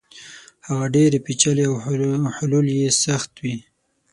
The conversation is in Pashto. هغه ډېرې پېچلې او حلول يې سخت وي.